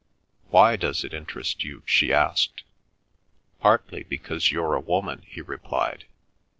"Why does it interest you?" she asked. "Partly because you're a woman," he replied.